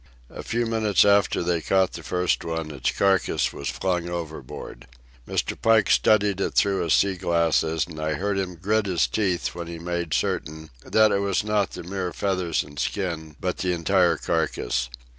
A few minutes after they caught the first one its carcase was flung overboard. Mr. Pike studied it through his sea glasses, and I heard him grit his teeth when he made certain that it was not the mere feathers and skin but the entire carcass.